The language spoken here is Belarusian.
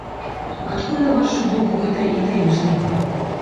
Адкуль на вашую думку гэтая ідэя ўзнікла?